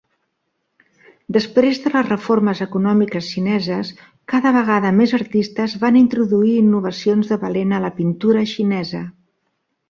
Després de les reformes econòmiques xineses, cada vegada més artistes van introduir innovacions de valent a la Pintura Xinesa.